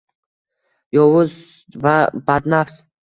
Yovuz va badnafs